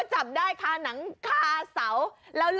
มันกลับมาที่สุดท้ายแล้วมันกลับมาที่สุดท้ายแล้ว